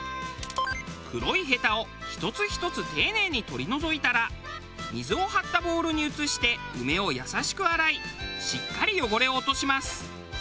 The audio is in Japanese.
黒いヘタを１つ１つ丁寧に取り除いたら水を張ったボウルに移して梅を優しく洗いしっかり汚れを落とします。